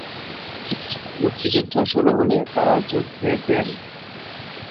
মুক্তিযুদ্ধ শুরু হলে তারা যুদ্ধে দেন।